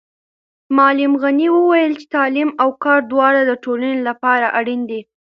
معلم غني وویل چې تعلیم او کار دواړه د ټولنې لپاره اړین دي.